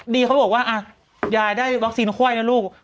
เขาบอกว่ายายได้วัคซีนไข้นะลูก